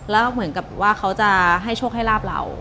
แล้วเหมือนกับว่าเขาจะให้โชคให้ลาบเรา